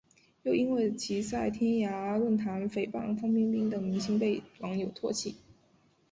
又因为其在天涯论坛诽谤范冰冰等明星被网友唾弃。